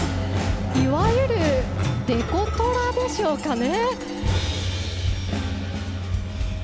いわゆる、デコトラでしょうかね。